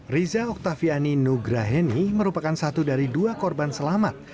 riza oktaviani nugraheni merupakan satu dari dua korban selamat